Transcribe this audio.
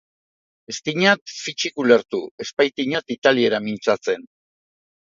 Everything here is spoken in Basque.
Ez dinat fitsik ulertu, ez baitinat italiera mintzatzen.